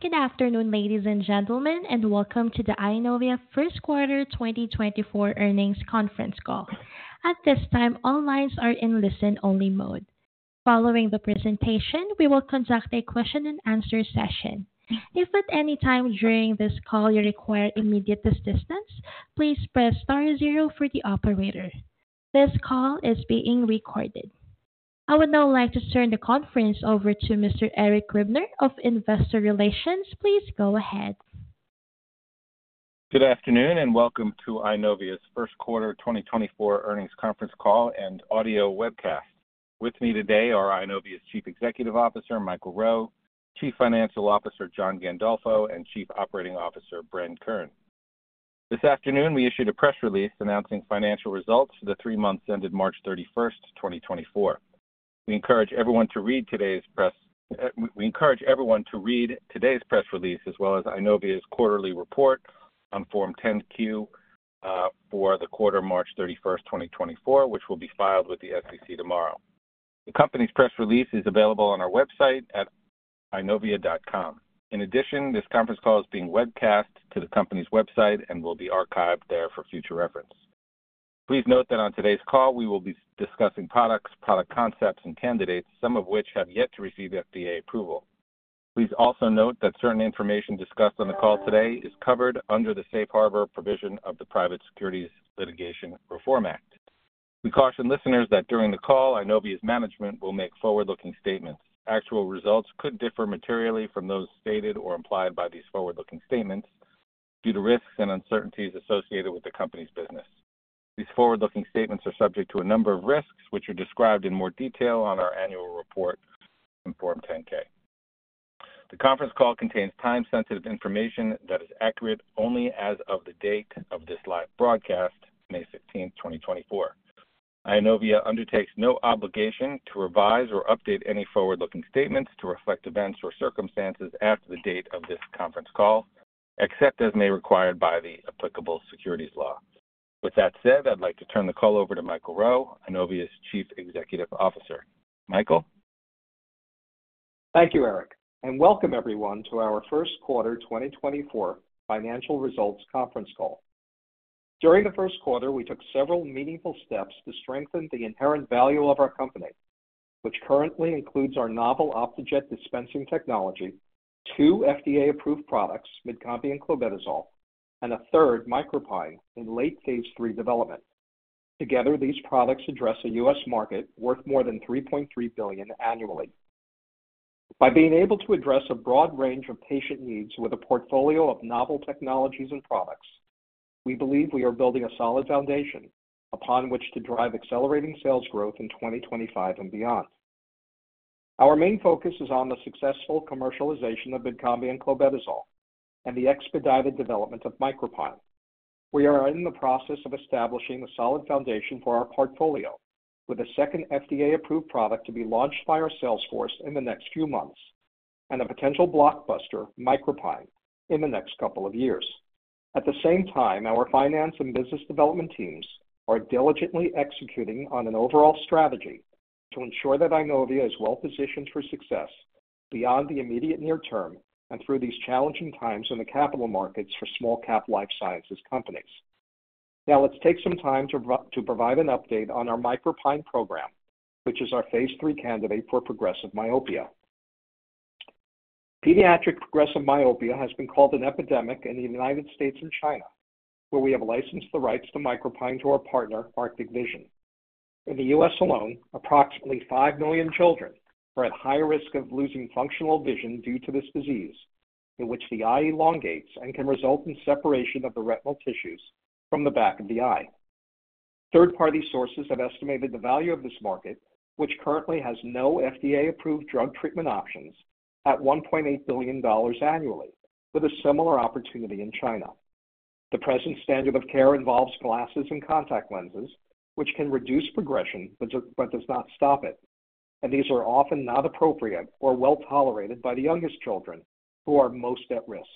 Good afternoon, ladies and gentlemen, and welcome to the Eyenovia first quarter 2024 Earnings Conference Call. At this time, all lines are in listen-only mode. Following the presentation, we will conduct a question and answer session. If at any time during this call you require immediate assistance, please press star zero for the operator. This call is being recorded. I would now like to turn the conference over to Mr. Eric Livne of Investor Relations. Please go ahead. Good afternoon, and welcome to Eyenovia's first-quarter 2024 earnings conference call and audio webcast. With me today are Eyenovia's Chief Executive Officer, Michael Rowe, Chief Financial Officer, John Gandolfo, and Chief Operating Officer, Bren Kern. This afternoon, we issued a press release announcing financial results for the three months ended March 31, 2024. We encourage everyone to read today's press release, as well as Eyenovia's quarterly report on Form 10-Q for the quarter ended March 31, 2024, which will be filed with the SEC tomorrow. The company's press release is available on our website at eyenovia.com. In addition, this conference call is being webcast to the company's website and will be archived there for future reference. Please note that on today's call, we will be discussing products, product concepts and candidates, some of which have yet to receive FDA approval. Please also note that certain information discussed on the call today is covered under the safe harbor provision of the Private Securities Litigation Reform Act. We caution listeners that during the call, Eyenovia's management will make forward-looking statements. Actual results could differ materially from those stated or implied by these forward-looking statements due to risks and uncertainties associated with the company's business. These forward-looking statements are subject to a number of risks, which are described in more detail on our annual report in Form 10-K. The conference call contains time-sensitive information that is accurate only as of the date of this live broadcast, May sixteenth, twenty twenty-four. Eyenovia undertakes no obligation to revise or update any forward-looking statements to reflect events or circumstances after the date of this conference call, except as may be required by the applicable securities law. With that said, I'd like to turn the call over to Michael Rowe, Eyenovia's Chief Executive Officer. Michael? Thank you, Eric, and welcome everyone to our first quarter 2024 financial results conference call. During the first quarter, we took several meaningful steps to strengthen the inherent value of our company, which currently includes our novel Optejet dispensing technology, two FDA-approved products, MydCombi and clobetasol, and a third, MicroPine, in late phase 3 development. Together, these products address a U.S. market worth more than $3.3 billion annually. By being able to address a broad range of patient needs with a portfolio of novel technologies and products, we believe we are building a solid foundation upon which to drive accelerating sales growth in 2025 and beyond. Our main focus is on the successful commercialization of MydCombi and clobetasol and the expedited development of MicroPine. We are in the process of establishing a solid foundation for our portfolio with a second FDA-approved product to be launched by our sales force in the next few months and a potential blockbuster, MicroPine, in the next couple of years. At the same time, our finance and business development teams are diligently executing on an overall strategy to ensure that Eyenovia is well positioned for success beyond the immediate near term and through these challenging times in the capital markets for small cap life sciences companies. Now, let's take some time to provide an update on our MicroPine program, which is our phase three candidate for progressive myopia. Pediatric progressive myopia has been called an epidemic in the United States and China, where we have licensed the rights to MicroPine to our partner, Arctic Vision. In the U.S. alone, approximately 5 million children are at high risk of losing functional vision due to this disease, in which the eye elongates and can result in separation of the retinal tissues from the back of the eye. Third-party sources have estimated the value of this market, which currently has no FDA-approved drug treatment options, at $1.8 billion annually, with a similar opportunity in China. The present standard of care involves glasses and contact lenses, which can reduce progression, but does not stop it, and these are often not appropriate or well-tolerated by the youngest children who are most at risk.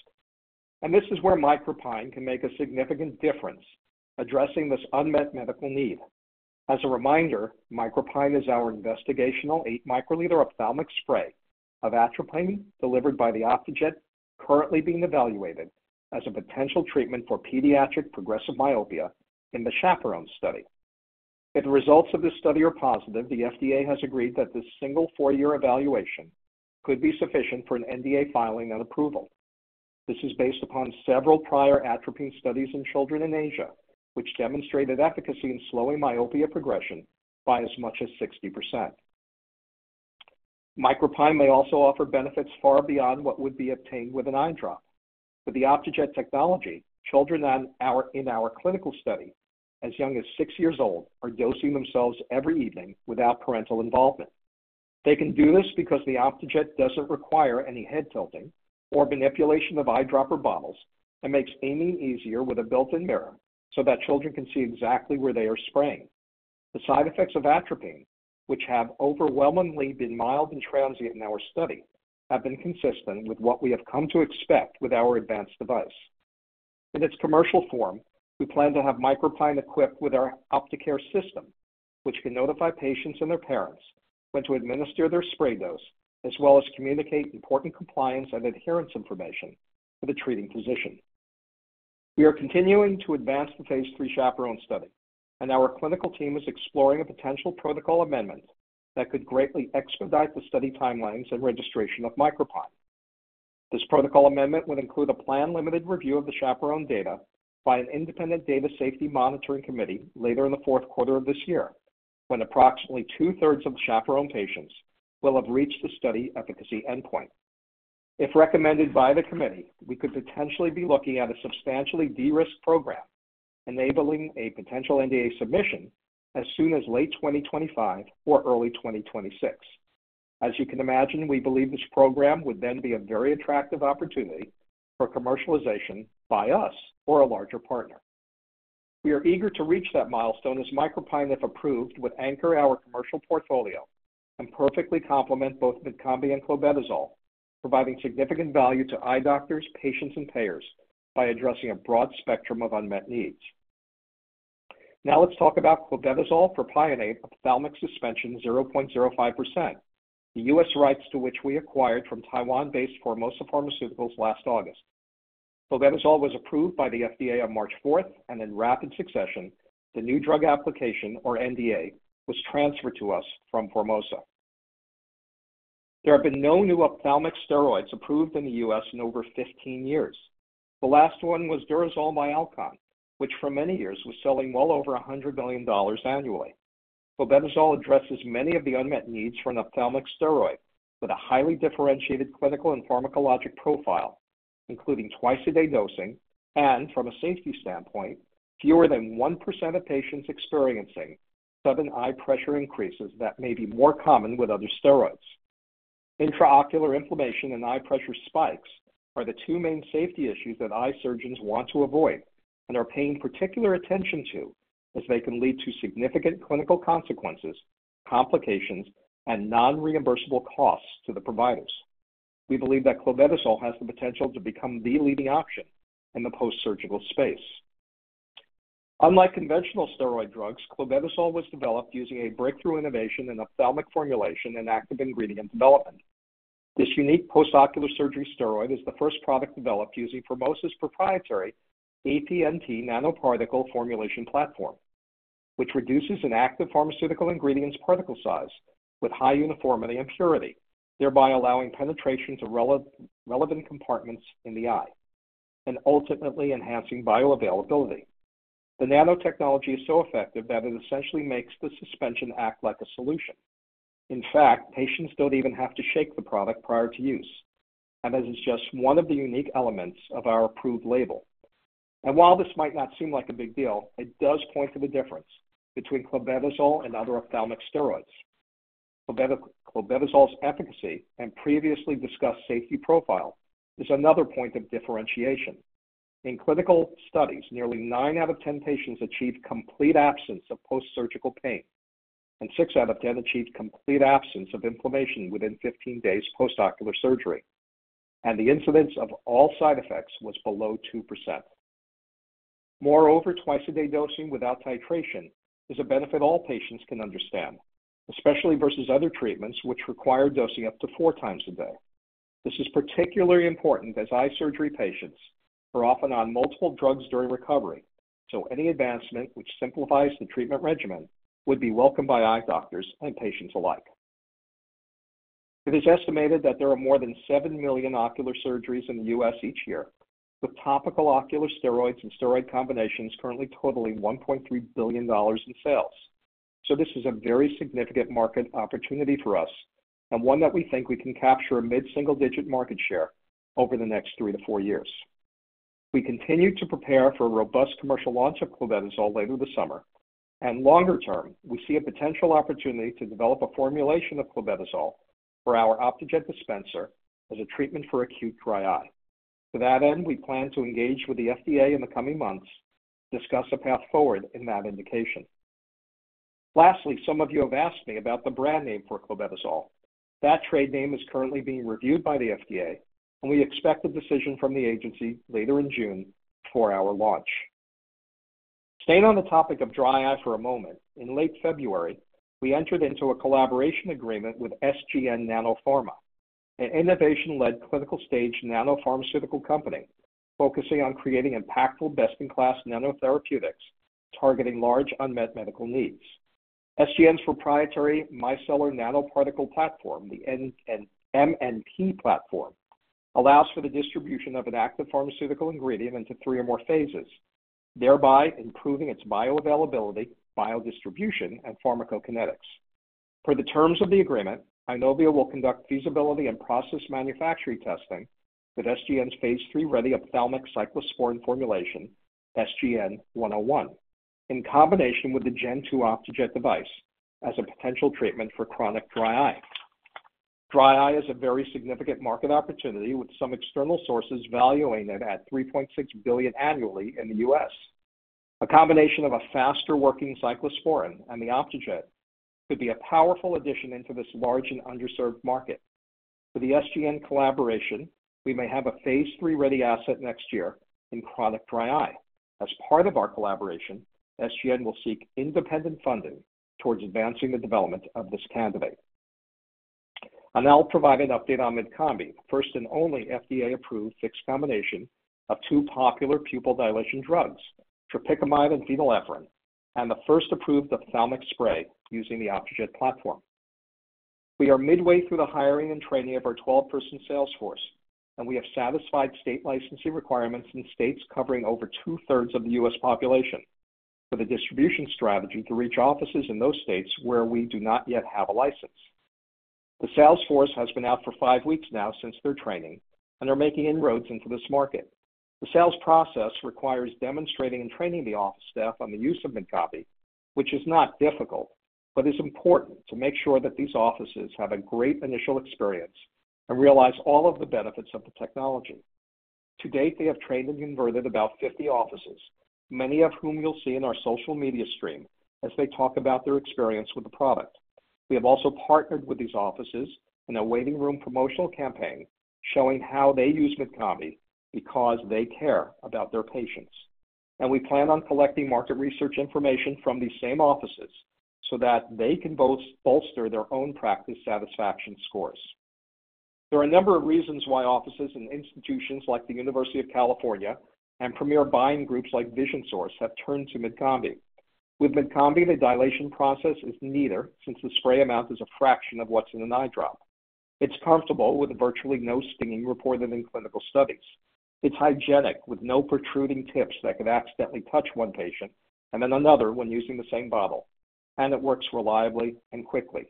This is where MicroPine can make a significant difference addressing this unmet medical need. As a reminder, MicroPine is our investigational eight microliter ophthalmic spray of atropine delivered by the Optejet, currently being evaluated as a potential treatment for pediatric progressive myopia in the CHAPERONE study. If the results of this study are positive, the FDA has agreed that this single four-year evaluation could be sufficient for an NDA filing and approval. This is based upon several prior atropine studies in children in Asia, which demonstrated efficacy in slowing myopia progression by as much as 60%. MicroPine may also offer benefits far beyond what would be obtained with an eye drop. With the Optejet technology, children in our clinical study, as young as six years old, are dosing themselves every evening without parental involvement. They can do this because the Optejet doesn't require any head tilting or manipulation of eyedropper bottles and makes aiming easier with a built-in mirror so that children can see exactly where they are spraying. The side effects of atropine, which have overwhelmingly been mild and transient in our study, have been consistent with what we have come to expect with our advanced device. In its commercial form, we plan to have MicroPine equipped with our OpteCare system, which can notify patients and their parents when to administer their spray dose, as well as communicate important compliance and adherence information to the treating physician. We are continuing to advance the phase 3 CHAPERONE study, and our clinical team is exploring a potential protocol amendment that could greatly expedite the study timelines and registration of MicroPine. This protocol amendment would include a planned limited review of the CHAPERONE data by an independent data safety monitoring committee later in the fourth quarter of this year, when approximately two-thirds of the CHAPERONE patients will have reached the study efficacy endpoint. If recommended by the committee, we could potentially be looking at a substantially de-risked program, enabling a potential NDA submission as soon as late 2025 or early 2026. As you can imagine, we believe this program would then be a very attractive opportunity for commercialization by us or a larger partner. We are eager to reach that milestone, as MicroPine, if approved, would anchor our commercial portfolio and perfectly complement both MydCombi and clobetasol, providing significant value to eye doctors, patients and payers by addressing a broad spectrum of unmet needs. Now let's talk about clobetasol propionate ophthalmic suspension 0.05%. The U.S. rights to which we acquired from Taiwan-based Formosa Pharmaceuticals last August. Clobetasol was approved by the FDA on March fourth, and in rapid succession, the new drug application, or NDA, was transferred to us from Formosa. There have been no new ophthalmic steroids approved in the U.S. in over 15 years. The last one was Durezol by Alcon, which for many years was selling well over $100 million annually. Clobetasol addresses many of the unmet needs for an ophthalmic steroid with a highly differentiated clinical and pharmacologic profile, including twice-a-day dosing and, from a safety standpoint, fewer than 1% of patients experiencing sudden eye pressure increases that may be more common with other steroids. Intraocular inflammation and eye pressure spikes are the two main safety issues that eye surgeons want to avoid and are paying particular attention to, as they can lead to significant clinical consequences, complications, and non-reimbursable costs to the providers. We believe that clobetasol has the potential to become the leading option in the post-surgical space. Unlike conventional steroid drugs, clobetasol was developed using a breakthrough innovation in ophthalmic formulation and active ingredient development. This unique post-ocular surgery steroid is the first product developed using Formosa's proprietary APNT nanoparticle formulation platform, which reduces an active pharmaceutical ingredients particle size with high uniformity and purity, thereby allowing penetration to relevant compartments in the eye and ultimately enhancing bioavailability. The nanotechnology is so effective that it essentially makes the suspension act like a solution. In fact, patients don't even have to shake the product prior to use, and this is just one of the unique elements of our approved label. While this might not seem like a big deal, it does point to the difference between clobetasol and other ophthalmic steroids. Clobetasol's efficacy and previously discussed safety profile is another point of differentiation. In clinical studies, nearly 9 out of 10 patients achieved complete absence of post-surgical pain, and 6 out of 10 achieved complete absence of inflammation within 15 days post-ocular surgery, and the incidence of all side effects was below 2%. Moreover, twice-a-day dosing without titration is a benefit all patients can understand, especially versus other treatments which require dosing up to four times a day. This is particularly important as eye surgery patients are often on multiple drugs during recovery, so any advancement which simplifies the treatment regimen would be welcomed by eye doctors and patients alike. It is estimated that there are more than 7 million ocular surgeries in the U.S. each year, with topical ocular steroids and steroid combinations currently totaling $1.3 billion in sales. So this is a very significant market opportunity for us and one that we think we can capture a mid-single-digit market share over the next 3-4 years. We continue to prepare for a robust commercial launch of clobetasol later this summer, and longer term, we see a potential opportunity to develop a formulation of clobetasol for our Optejet dispenser as a treatment for acute dry eye. To that end, we plan to engage with the FDA in the coming months to discuss a path forward in that indication. Lastly, some of you have asked me about the brand name for clobetasol. That trade name is currently being reviewed by the FDA, and we expect a decision from the agency later in June for our launch. Staying on the topic of dry eye for a moment, in late February, we entered into a collaboration agreement with SGN Nanopharma, an innovation-led clinical-stage nanopharmaceutical company focusing on creating impactful, best-in-class nanotherapeutics, targeting large unmet medical needs. SGN's proprietary micellar nanoparticle platform, the MNP platform, allows for the distribution of an active pharmaceutical ingredient into three or more phases, thereby improving its bioavailability, biodistribution, and pharmacokinetics. Per the terms of the agreement, Eyenovia will conduct feasibility and process manufacturing testing with SGN's Phase 3-ready ophthalmic cyclosporine formulation, SGN-101, in combination with the Gen 2 Optejet device as a potential treatment for chronic dry eye. Dry eye is a very significant market opportunity, with some external sources valuing it at $3.6 billion annually in the U.S.... A combination of a faster working cyclosporine and the Optejet could be a powerful addition into this large and underserved market. For the SGN collaboration, we may have a phase 3-ready asset next year in chronic dry eye. As part of our collaboration, SGN will seek independent funding towards advancing the development of this candidate. I'll now provide an update on MydCombi, the first and only FDA-approved fixed combination of two popular pupil dilation drugs, tropicamide and phenylephrine, and the first approved ophthalmic spray using the Optejet platform. We are midway through the hiring and training of our 12-person sales force, and we have satisfied state licensing requirements in states covering over two-thirds of the U.S. population for the distribution strategy to reach offices in those states where we do not yet have a license. The sales force has been out for five weeks now since their training and are making inroads into this market. The sales process requires demonstrating and training the office staff on the use of MydCombi, which is not difficult, but it's important to make sure that these offices have a great initial experience and realize all of the benefits of the technology. To date, they have trained and converted about 50 offices, many of whom you'll see in our social media stream as they talk about their experience with the product. We have also partnered with these offices in a waiting room promotional campaign showing how they use MydCombi because they care about their patients. We plan on collecting market research information from these same offices so that they can both bolster their own practice satisfaction scores. There are a number of reasons why offices and institutions like the University of California and premier buying groups like Vision Source have turned to MydCombi. With MydCombi, the dilation process is neater since the spray amount is a fraction of what's in an eye drop. It's comfortable, with virtually no stinging reported in clinical studies. It's hygienic, with no protruding tips that could accidentally touch one patient and then another when using the same bottle, and it works reliably and quickly.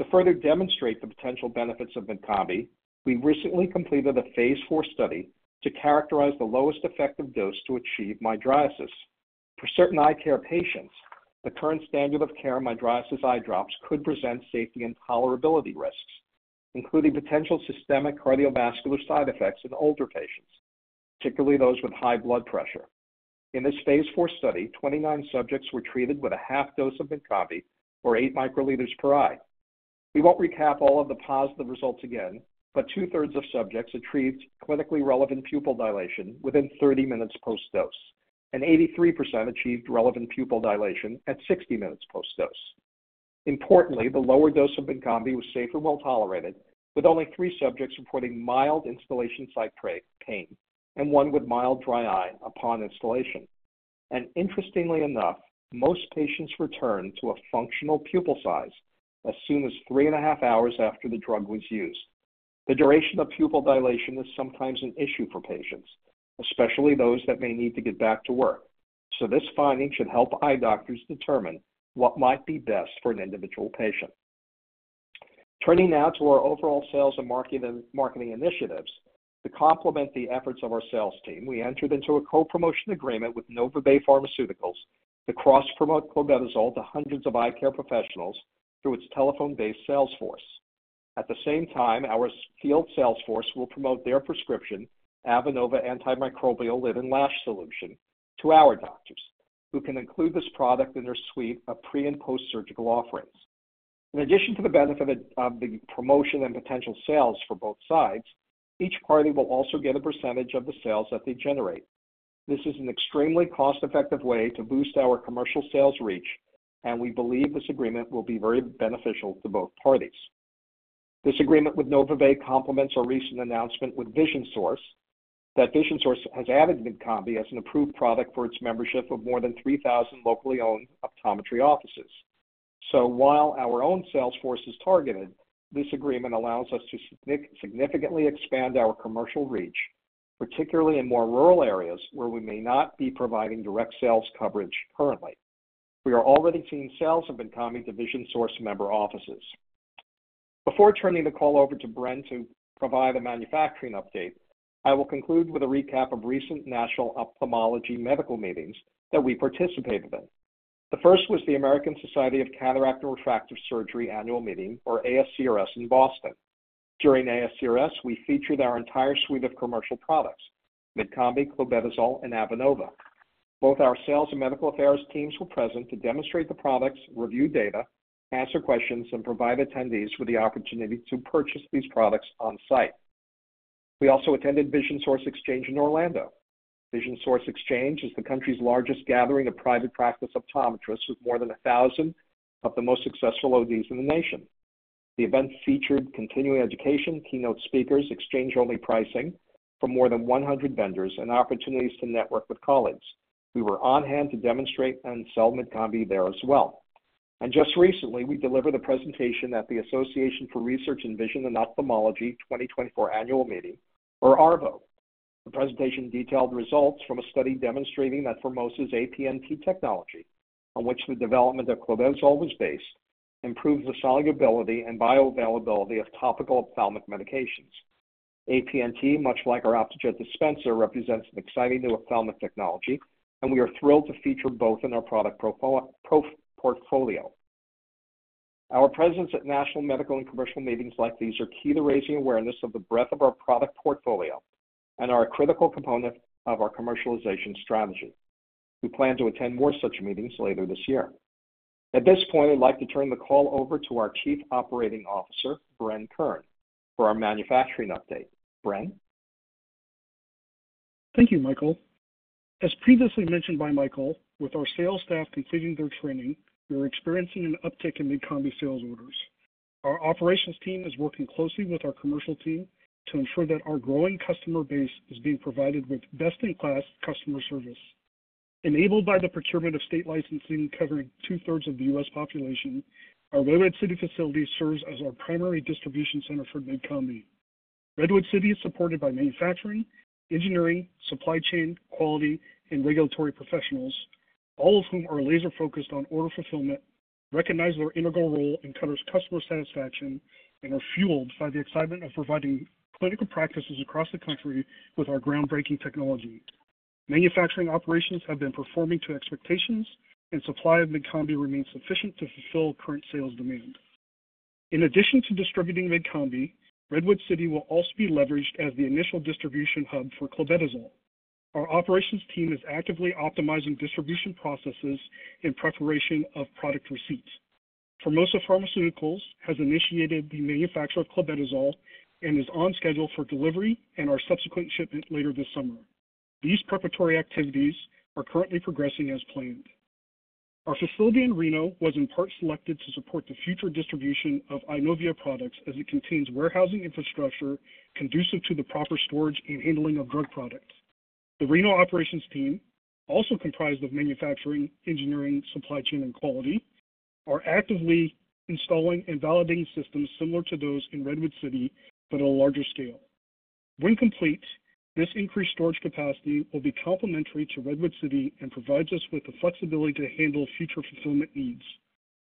To further demonstrate the potential benefits of MydCombi, we recently completed a phase 4 study to characterize the lowest effective dose to achieve mydriasis. For certain eye care patients, the current standard of care, mydriasis eye drops, could present safety and tolerability risks, including potential systemic cardiovascular side effects in older patients, particularly those with high blood pressure. In this phase 4 study, 29 subjects were treated with a half dose of MydCombi, or 8 microliters per eye. We won't recap all of the positive results again, but two-thirds of subjects achieved clinically relevant pupil dilation within 30 minutes post-dose, and 83% achieved relevant pupil dilation at 60 minutes post-dose. Importantly, the lower dose of MydCombi was safe and well tolerated, with only three subjects reporting mild instillation-site pain, and one with mild dry eye upon instillation. Interestingly enough, most patients returned to a functional pupil size as soon as three and a half hours after the drug was used. The duration of pupil dilation is sometimes an issue for patients, especially those that may need to get back to work. So this finding should help eye doctors determine what might be best for an individual patient. Turning now to our overall sales and marketing initiatives. To complement the efforts of our sales team, we entered into a co-promotion agreement with NovaBay Pharmaceuticals to cross-promote clobetasol to hundreds of eye care professionals through its telephone-based sales force. At the same time, our field sales force will promote their prescription, Avenova Antimicrobial Lid and Lash Solution, to our doctors, who can include this product in their suite of pre- and post-surgical offerings. In addition to the benefit of the promotion and potential sales for both sides, each party will also get a percentage of the sales that they generate. This is an extremely cost-effective way to boost our commercial sales reach, and we believe this agreement will be very beneficial to both parties. This agreement with NovaBay complements our recent announcement with Vision Source, that Vision Source has added MydCombi as an approved product for its membership of more than 3,000 locally owned optometry offices. So while our own sales force is targeted, this agreement allows us to significantly expand our commercial reach, particularly in more rural areas where we may not be providing direct sales coverage currently. We are already seeing sales of MydCombi to Vision Source member offices. Before turning the call over to Bren to provide a manufacturing update, I will conclude with a recap of recent national ophthalmology medical meetings that we participated in. The first was the American Society of Cataract and Refractive Surgery Annual Meeting, or ASCRS, in Boston. During ASCRS, we featured our entire suite of commercial products, MydCombi, clobetasol, and Avenova. Both our sales and medical affairs teams were present to demonstrate the products, review data, answer questions, and provide attendees with the opportunity to purchase these products on-site. We also attended Vision Source Exchange in Orlando. Vision Source Exchange is the country's largest gathering of private practice optometrists, with more than 1,000 of the most successful ODs in the nation. The event featured continuing education, keynote speakers, exchange-only pricing for more than 100 vendors, and opportunities to network with colleagues. We were on hand to demonstrate and sell MydCombi there as well. Just recently, we delivered a presentation at the Association for Research in Vision and Ophthalmology 2024 Annual Meeting, or ARVO. The presentation detailed results from a study demonstrating that Formosa's APNT technology, on which the development of clobetasol was based, improves the solubility and bioavailability of topical ophthalmic medications. APNT, much like our Optejet dispenser, represents an exciting new ophthalmic technology, and we are thrilled to feature both in our product portfolio. Our presence at national medical and commercial meetings like these are key to raising awareness of the breadth of our product portfolio and are a critical component of our commercialization strategy. We plan to attend more such meetings later this year. At this point, I'd like to turn the call over to our Chief Operating Officer, Bren Kern, for our manufacturing update. Bren? Thank you, Michael. As previously mentioned by Michael, with our sales staff completing their training, we are experiencing an uptick in MydCombi sales orders. Our operations team is working closely with our commercial team to ensure that our growing customer base is being provided with best-in-class customer service. Enabled by the procurement of state licensing covering two-thirds of the U.S. population, our Redwood City facility serves as our primary distribution center for MydCombi. Redwood City is supported by manufacturing, engineering, supply chain, quality, and regulatory professionals, all of whom are laser-focused on order fulfillment, recognize their integral role in customer's customer satisfaction, and are fueled by the excitement of providing clinical practices across the country with our groundbreaking technology. Manufacturing operations have been performing to expectations, and supply of MydCombi remains sufficient to fulfill current sales demand. In addition to distributing MydCombi, Redwood City will also be leveraged as the initial distribution hub for clobetasol. Our operations team is actively optimizing distribution processes in preparation of product receipts. Formosa Pharmaceuticals has initiated the manufacture of clobetasol and is on schedule for delivery and our subsequent shipment later this summer. These preparatory activities are currently progressing as planned. Our facility in Reno was in part selected to support the future distribution of Eyenovia products as it contains warehousing infrastructure conducive to the proper storage and handling of drug products. The Reno operations team, also comprised of manufacturing, engineering, supply chain, and quality, are actively installing and validating systems similar to those in Redwood City, but on a larger scale. When complete, this increased storage capacity will be complementary to Redwood City and provides us with the flexibility to handle future fulfillment needs.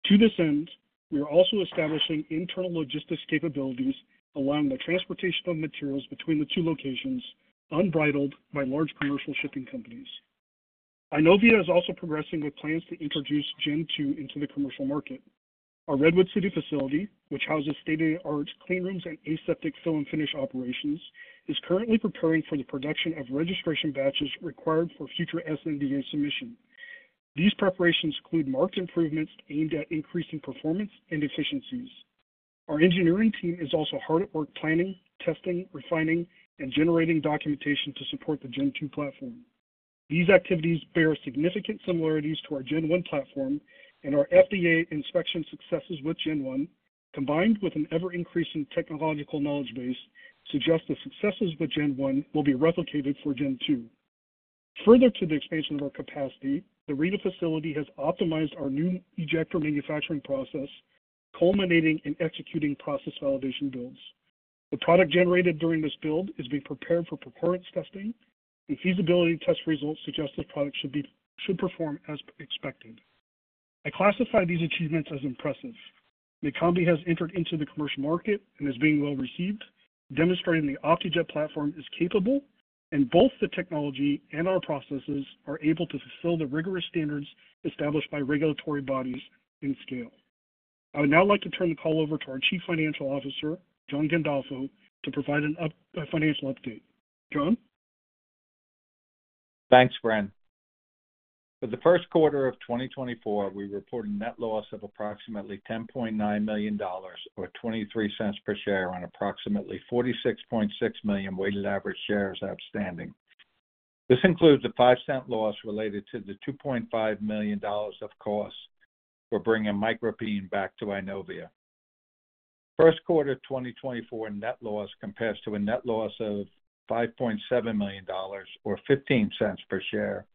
To this end, we are also establishing internal logistics capabilities, allowing the transportation of materials between the two locations, unbridled by large commercial shipping companies. Eyenovia is also progressing with plans to introduce Gen 2 into the commercial market. Our Redwood City facility, which houses state-of-the-art clean rooms and aseptic fill and finish operations, is currently preparing for the production of registration batches required for future sNDA submission. These preparations include marked improvements aimed at increasing performance and efficiencies. Our engineering team is also hard at work planning, testing, refining, and generating documentation to support the Gen 2 platform. These activities bear significant similarities to our Gen 1 platform, and our FDA inspection successes with Gen 1, combined with an ever-increasing technological knowledge base, suggest the successes with Gen 1 will be replicated for Gen 2. Further to the expansion of our capacity, the Reno facility has optimized our new ejector manufacturing process, culminating in executing process validation builds. The product generated during this build is being prepared for performance testing, and feasibility test results suggest this product should perform as expected. I classify these achievements as impressive. MydCombi has entered into the commercial market and is being well received, demonstrating the Optejet platform is capable, and both the technology and our processes are able to fulfill the rigorous standards established by regulatory bodies in scale. I would now like to turn the call over to our Chief Financial Officer, John Gandolfo, to provide a financial update. John? Thanks, Bren. For the first quarter of 2024, we reported net loss of approximately $10.9 million, or $0.23 per share, on approximately 46.6 million weighted average shares outstanding. This includes a $0.05 loss related to the $2.5 million of cost for bringing MicroPine back to Eyenovia. First quarter 2024 net loss compares to a net loss of $5.7 million, or $0.15 per share,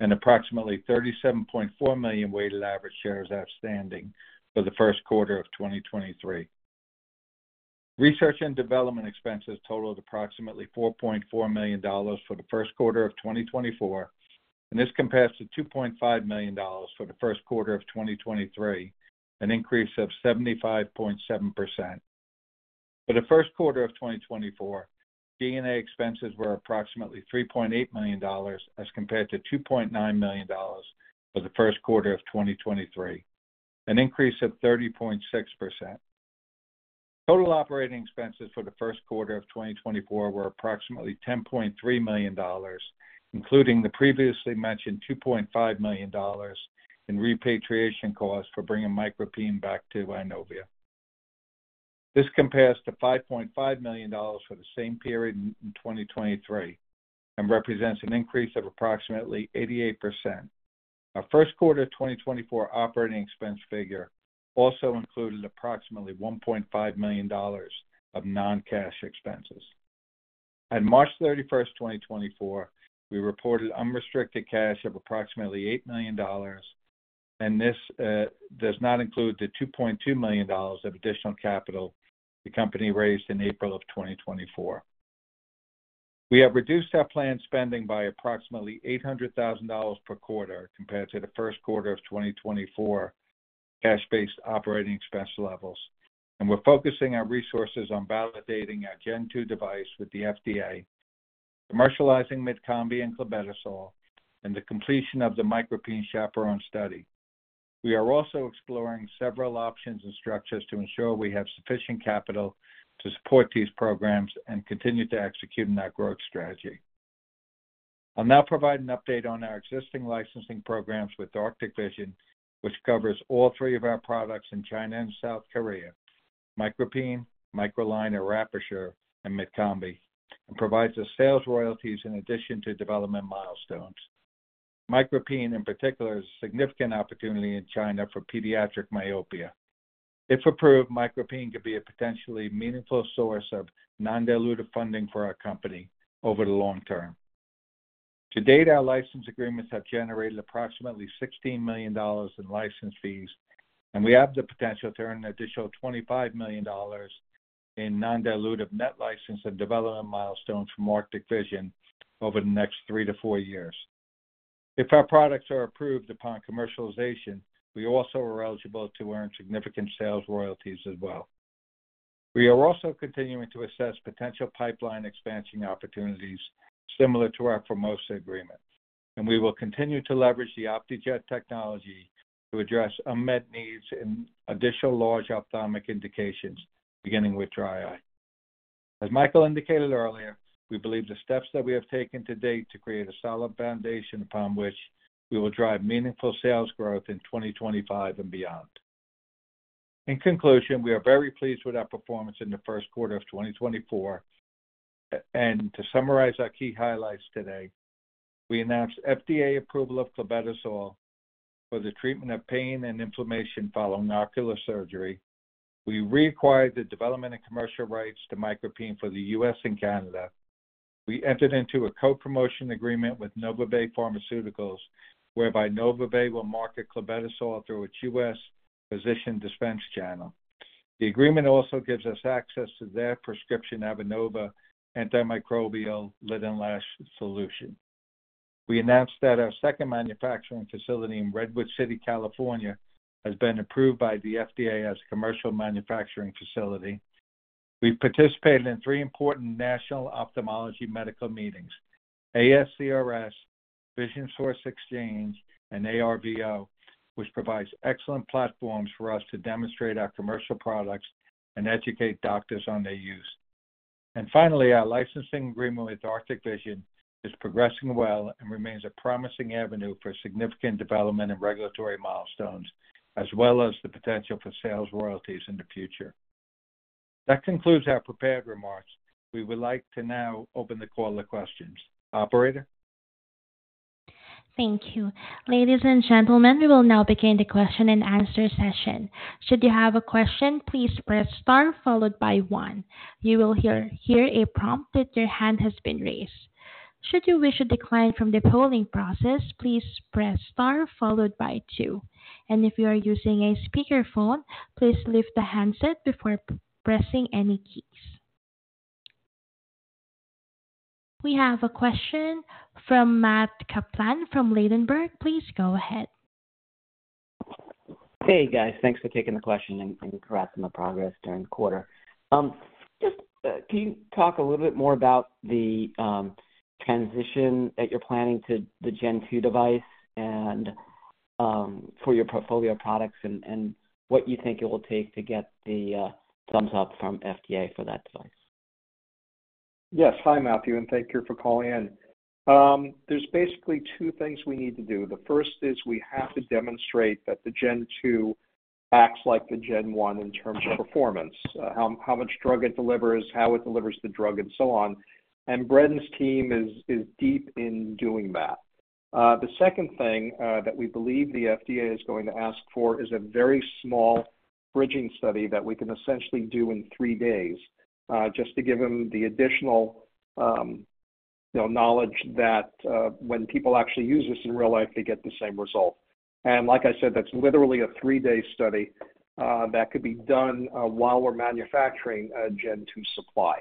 and approximately 37.4 million weighted average shares outstanding for the first quarter of 2023. Research and development expenses totaled approximately $4.4 million for the first quarter of 2024, and this compares to $2.5 million for the first quarter of 2023, an increase of 75.7%. For the first quarter of 2024, G&A expenses were approximately $3.8 million, as compared to $2.9 million for the first quarter of 2023, an increase of 30.6%. Total operating expenses for the first quarter of 2024 were approximately $10.3 million, including the previously mentioned $2.5 million in repatriation costs for bringing MicroPine back to Eyenovia. This compares to $5.5 million for the same period in 2023 and represents an increase of approximately 88%. Our first quarter 2024 operating expense figure also included approximately $1.5 million of non-cash expenses. At March 31, 2024, we reported unrestricted cash of approximately $8 million, and this does not include the $2.2 million of additional capital the company raised in April 2024. We have reduced our planned spending by approximately $800,000 per quarter compared to the first quarter of 2024 cash-based operating expense levels, and we're focusing our resources on validating our Gen 2 device with the FDA, commercializing MydCombi and clobetasol, and the completion of the MicroPine CHAPERONE study. We are also exploring several options and structures to ensure we have sufficient capital to support these programs and continue to execute on our growth strategy. I'll now provide an update on our existing licensing programs with Arctic Vision, which covers all three of our products in China and South Korea, MicroPine, MicroLine or Apersure, and MydCombi, and provides us sales royalties in addition to development milestones. MicroPine, in particular, is a significant opportunity in China for pediatric myopia. If approved, MicroPine could be a potentially meaningful source of non-dilutive funding for our company over the long term. To date, our license agreements have generated approximately $16 million in license fees, and we have the potential to earn an additional $25 million in non-dilutive net license and development milestones from Arctic Vision over the next 3-4 years. If our products are approved upon commercialization, we also are eligible to earn significant sales royalties as well. We are also continuing to assess potential pipeline expansion opportunities similar to our Formosa agreement, and we will continue to leverage the Optejet technology to address unmet needs in additional large ophthalmic indications, beginning with dry eye. As Michael indicated earlier, we believe the steps that we have taken to date to create a solid foundation upon which we will drive meaningful sales growth in 2025 and beyond. In conclusion, we are very pleased with our performance in the first quarter of 2024. To summarize our key highlights today, we announced FDA approval of clobetasol for the treatment of pain and inflammation following ocular surgery. We reacquired the development and commercial rights to MicroPine for the U.S. and Canada. We entered into a co-promotion agreement with NovaBay Pharmaceuticals, whereby NovaBay will market clobetasol through its U.S. physician dispense channel. The agreement also gives us access to their prescription, Avenova antimicrobial lid and lash solution. We announced that our second manufacturing facility in Redwood City, California, has been approved by the FDA as a commercial manufacturing facility. We've participated in three important national ophthalmology medical meetings, ASCRS, Vision Source Exchange, and ARVO, which provides excellent platforms for us to demonstrate our commercial products and educate doctors on their use. And finally, our licensing agreement with Arctic Vision is progressing well and remains a promising avenue for significant development and regulatory milestones, as well as the potential for sales royalties in the future. That concludes our prepared remarks. We would like to now open the call to questions. Operator? Thank you. Ladies and gentlemen, we will now begin the question and answer session. Should you have a question, please press star followed by one. You will hear a prompt that your hand has been raised. Should you wish to decline from the polling process, please press star followed by two. If you are using a speakerphone, please lift the handset before pressing any keys. We have a question from Matt Kaplan from Ladenburg. Please go ahead. Hey, guys. Thanks for taking the question and progressing the progress during the quarter. Just, can you talk a little bit more about the transition that you're planning to the Gen 2 device and for your portfolio of products and what you think it will take to get the thumbs up from FDA for that device? Yes. Hi, Matthew, and thank you for calling in. There's basically 2 things we need to do. The first is we have to demonstrate that the Gen 2 acts like the Gen 1 in terms of performance, how much drug it delivers, how it delivers the drug, and so on. And Bren's team is deep in doing that. The second thing that we believe the FDA is going to ask for is a very small bridging study that we can essentially do in 3 days, just to give them the additional, you know, knowledge that when people actually use this in real life, they get the same result. And like I said, that's literally a 3-day study that could be done while we're manufacturing a Gen 2 supply.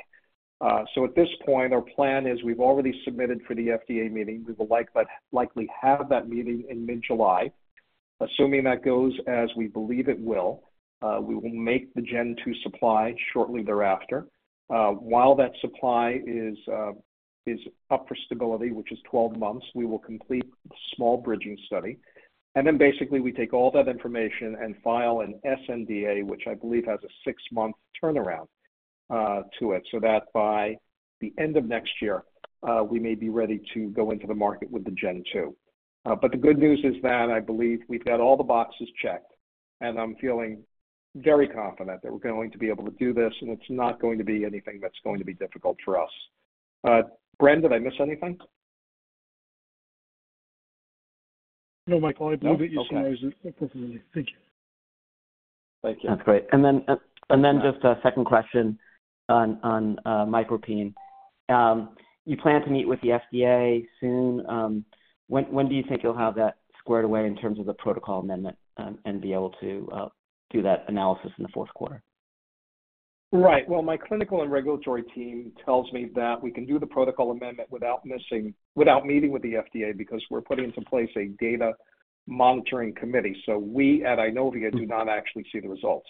So at this point, our plan is we've already submitted for the FDA meeting. We will likely have that meeting in mid-July. Assuming that goes as we believe it will, we will make the Gen 2 supply shortly thereafter. While that supply is up for stability, which is 12 months, we will complete a small bridging study, and then basically we take all that information and file an sNDA, which I believe has a 6-month turnaround to it, so that by the end of next year, we may be ready to go into the market with the Gen 2. But the good news is that I believe we've got all the boxes checked, and I'm feeling very confident that we're going to be able to do this, and it's not going to be anything that's going to be difficult for us. Bren, did I miss anything? No, Michael, I believe you summarized it appropriately. Thank you. Thank you. That's great. And then just a second question on MicroPine. You plan to meet with the FDA soon. When do you think you'll have that squared away in terms of the protocol amendment, and be able to do that analysis in the fourth quarter? Right. Well, my clinical and regulatory team tells me that we can do the protocol amendment without meeting with the FDA, because we're putting into place a data monitoring committee. So we at Eyenovia do not actually see the results.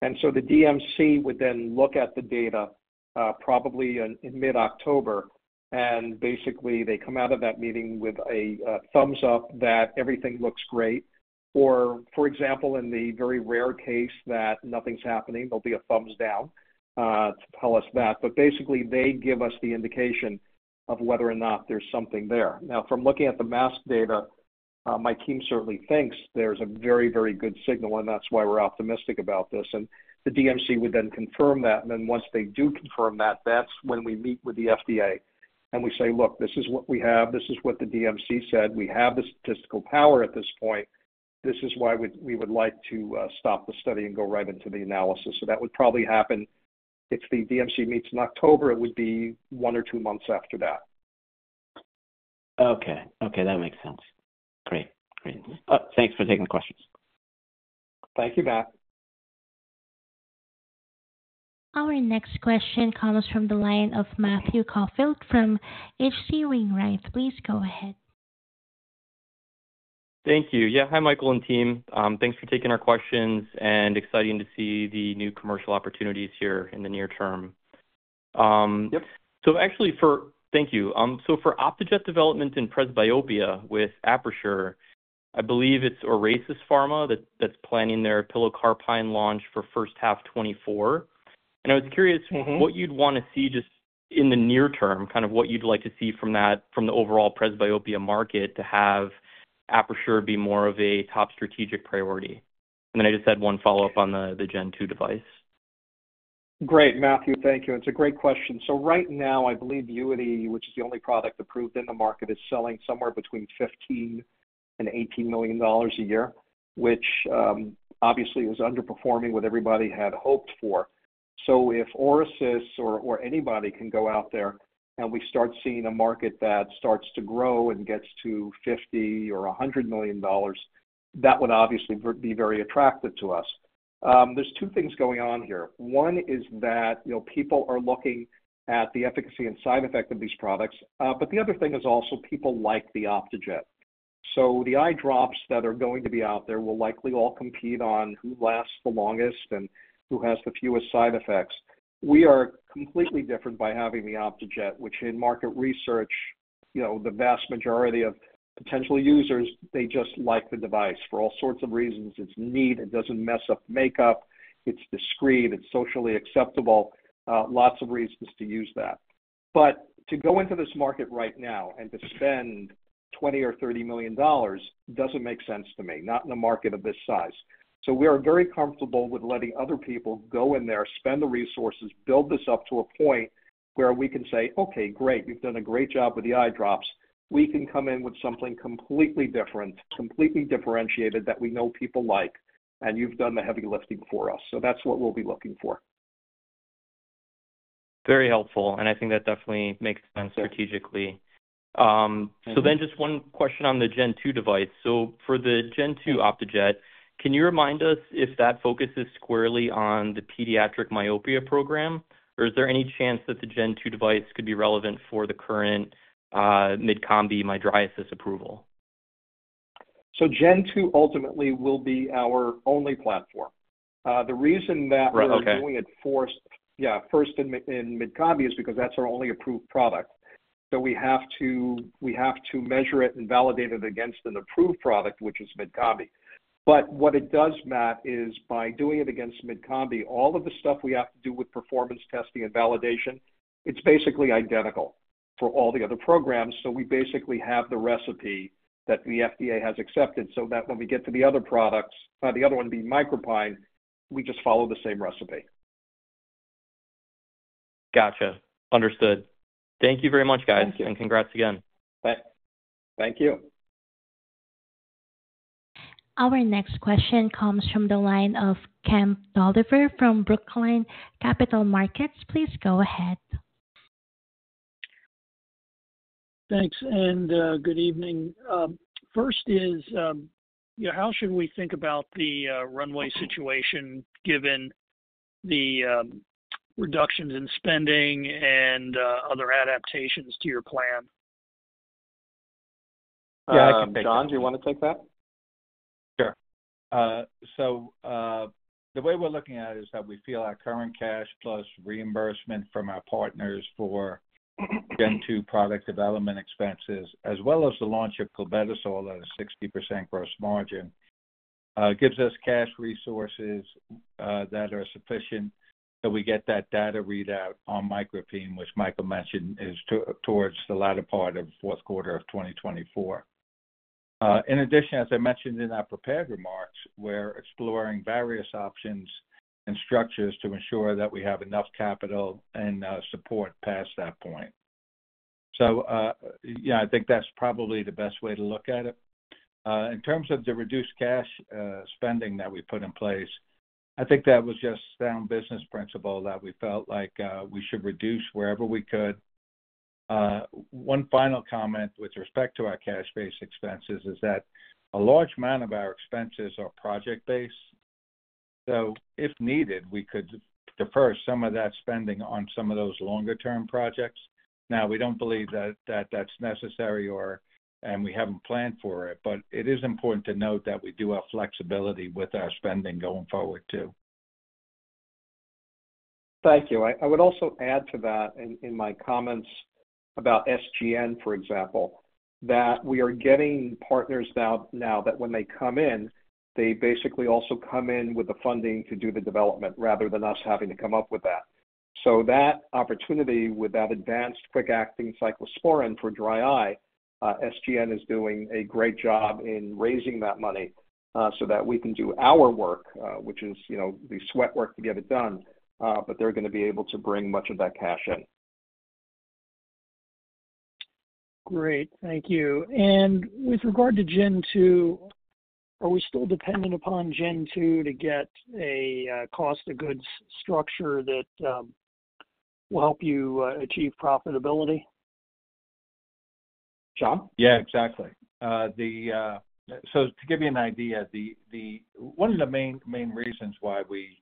...And so the DMC would then look at the data, probably in, in mid-October, and basically they come out of that meeting with a thumbs up that everything looks great. Or for example, in the very rare case that nothing's happening, there'll be a thumbs down to tell us that. But basically they give us the indication of whether or not there's something there. Now, from looking at the mask data, my team certainly thinks there's a very, very good signal, and that's why we're optimistic about this. And the DMC would then confirm that. And then once they do confirm that, that's when we meet with the FDA and we say, look, this is what we have. This is what the DMC said. We have the statistical power at this point. This is why we would like to stop the study and go right into the analysis. So that would probably happen if the DMC meets in October. It would be one or two months after that. Okay. Okay, that makes sense. Great. Great. Thanks for taking the questions. Thank you, Matt. Our next question comes from the line of Matthew Caufield from H.C. Wainwright. Please go ahead. Thank you. Yeah, hi, Michael and team. Thanks for taking our questions, and exciting to see the new commercial opportunities here in the near term. Yep. Thank you. So for Optejet development in presbyopia with Apersure, I believe it's Orasis Pharma that's planning their pilocarpine launch for first half 2024. And I was curious what you'd want to see just in the near term, kind of what you'd like to see from that, from the overall presbyopia market to have Apersure be more of a top strategic priority. And then I just had one follow-up on the Gen 2 device. Great, Matthew, thank you. It's a great question. So right now, I believe Vuity, which is the only product approved in the market, is selling somewhere between $15-$18 million a year, which, obviously is underperforming what everybody had hoped for. So if Orasis or, or anybody can go out there and we start seeing a market that starts to grow and gets to $50 or $100 million, that would obviously be very attractive to us. There's two things going on here. One is that, you know, people are looking at the efficacy and side effect of these products. But the other thing is also people like the Optejet. So the eye drops that are going to be out there will likely all compete on who lasts the longest and who has the fewest side effects. We are completely different by having the Optejet, which in market research, you know, the vast majority of potential users, they just like the device for all sorts of reasons. It's neat, it doesn't mess up makeup, it's discreet, it's socially acceptable, lots of reasons to use that. But to go into this market right now and to spend $20 million or $30 million doesn't make sense to me, not in a market of this size. So we are very comfortable with letting other people go in there, spend the resources, build this up to a point where we can say, "Okay, great, you've done a great job with the eye drops." We can come in with something completely different, completely differentiated, that we know people like, and you've done the heavy lifting for us. So that's what we'll be looking for. Very helpful, and I think that definitely makes sense strategically. So then just one question on the Gen 2 device. So for the Gen 2 Optejet, can you remind us if that focus is squarely on the pediatric myopia program? Or is there any chance that the Gen 2 device could be relevant for the current, MydCombi mydriasis approval? Gen 2 ultimately will be our only platform. The reason that- Right. Okay. We're doing it first, yeah, first in MydCombi, is because that's our only approved product. So we have to, we have to measure it and validate it against an approved product, which is MydCombi. But what it does, Matt, is by doing it against MydCombi, all of the stuff we have to do with performance testing and validation, it's basically identical for all the other programs. So we basically have the recipe that the FDA has accepted so that when we get to the other products, the other one being MicroPine, we just follow the same recipe. Gotcha. Understood. Thank you very much, guys. Thank you. Congrats again. Bye. Thank you. Our next question comes from the line of Kemp Dolliver from Brookline Capital Markets. Please go ahead. Thanks, and good evening. First is, you know, how should we think about the runway situation, given the reductions in spending and other adaptations to your plan? Yeah, John, do you want to take that? Sure. So, the way we're looking at it is that we feel our current cash plus reimbursement from our partners for Gen 2 product development expenses, as well as the launch of clobetasol at a 60% gross margin, gives us cash resources that are sufficient that we get that data readout on MicroPine, which Michael mentioned, is towards the latter part of fourth quarter of 2024. In addition, as I mentioned in our prepared remarks, we're exploring various options and structures to ensure that we have enough capital and support past that point. So, yeah, I think that's probably the best way to look at it. In terms of the reduced cash spending that we put in place, I think that was just sound business principle, that we felt like we should reduce wherever we could. One final comment with respect to our cash-based expenses is that a large amount of our expenses are project-based. So if needed, we could defer some of that spending on some of those longer-term projects. Now, we don't believe that that's necessary or and we haven't planned for it, but it is important to note that we do have flexibility with our spending going forward, too. Thank you. I would also add to that in my comments about SGN, for example, that we are getting partners now that when they come in, they basically also come in with the funding to do the development rather than us having to come up with that. So that opportunity with that advanced quick-acting cyclosporine for dry eye, SGN is doing a great job in raising that money, so that we can do our work, which is, you know, the sweat work to get it done. But they're gonna be able to bring much of that cash in. Great. Thank you. And with regard to Gen 2, are we still dependent upon Gen 2 to get a cost of goods structure that will help you achieve profitability? John? Yeah, exactly. So to give you an idea, one of the main reasons why we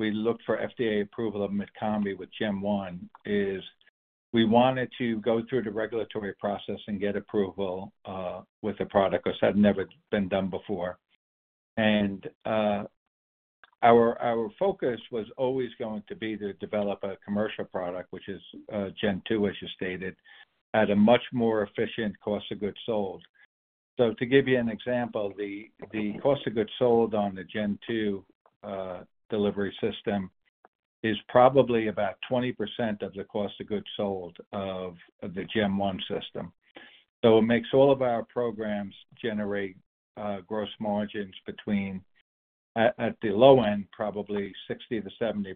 look for FDA approval of MydCombi with Gen 1 is we wanted to go through the regulatory process and get approval with the product, which had never been done before. And, our focus was always going to be to develop a commercial product, which is Gen 2, as you stated, at a much more efficient cost of goods sold. So to give you an example, the cost of goods sold on the Gen 2 delivery system is probably about 20% of the cost of goods sold of the Gen 1 system. So it makes all of our programs generate gross margins between at the low end, probably 60%-70%,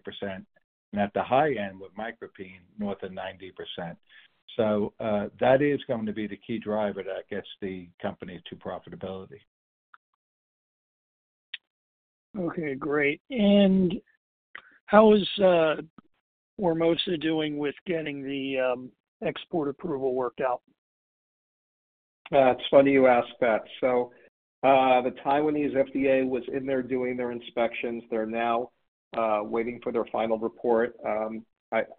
and at the high end, with MicroPine, more than 90%. So that is going to be the key driver that gets the company to profitability. Okay, great. And how is Formosa doing with getting the export approval worked out? It's funny you ask that. So, the Taiwanese FDA was in there doing their inspections. They're now waiting for their final report.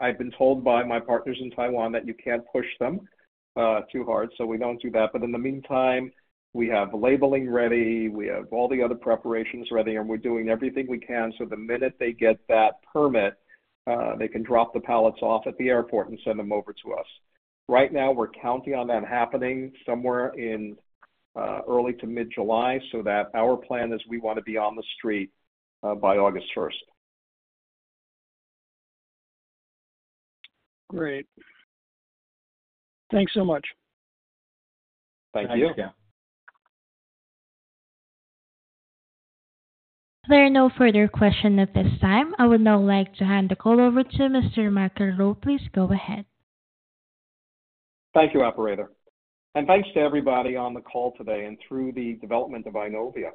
I've been told by my partners in Taiwan that you can't push them too hard, so we don't do that. But in the meantime, we have labeling ready, we have all the other preparations ready, and we're doing everything we can so the minute they get that permit, they can drop the pallets off at the airport and send them over to us. Right now, we're counting on that happening somewhere in early to mid-July, so that our plan is we want to be on the street by August first. Great. Thanks so much. Thank you. Thank you. There are no further questions at this time. I would now like to hand the call over to Mr. Michael Rowe. Please go ahead. Thank you, operator, and thanks to everybody on the call today and through the development of Eyenovia.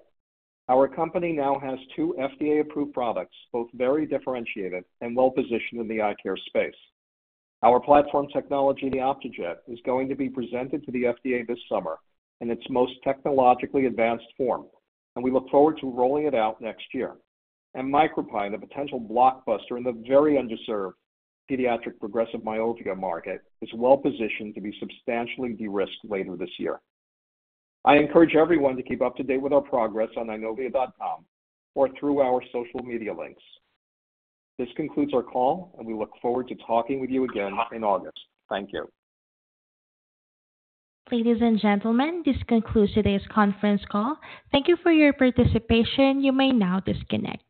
Our company now has two FDA-approved products, both very differentiated and well-positioned in the eye care space. Our platform technology, the Optejet, is going to be presented to the FDA this summer in its most technologically advanced form, and we look forward to rolling it out next year. MicroPine, a potential blockbuster in the very underserved pediatric progressive myopia market, is well positioned to be substantially de-risked later this year. I encourage everyone to keep up to date with our progress on eyenovia.com or through our social media links. This concludes our call, and we look forward to talking with you again in August. Thank you. Ladies and gentlemen, this concludes today's conference call. Thank you for your participation. You may now disconnect.